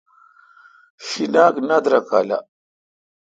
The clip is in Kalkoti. شیناک نہ درکالہ